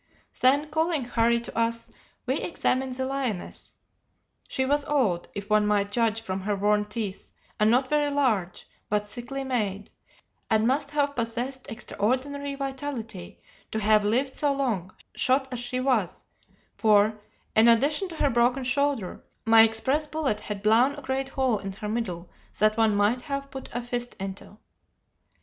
"Then, calling Harry to us, we examined the lioness. She was old, if one might judge from her worn teeth, and not very large, but thickly made, and must have possessed extraordinary vitality to have lived so long, shot as she was; for, in addition to her broken shoulder, my express bullet had blown a great hole in her middle that one might have put a fist into.